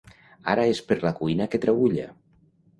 Ara és per la cuina que traülla.